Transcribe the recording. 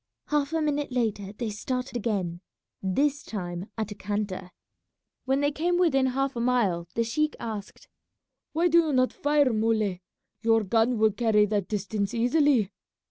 Half a minute later they started again, this time at a canter. When they came within half a mile the sheik asked, "Why do you not fire, Muley; your gun will carry that distance easily?"